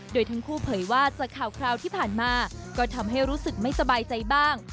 โดยทั้งคู่เผยว่าจากข่าวคราวที่ผ่านมาก็ทำให้รู้สึกไม่สบายใจบ้าง